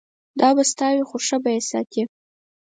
دا به ستا وي خو ښه به یې ساتې.